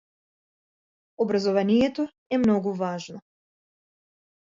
Образованието е многу важно.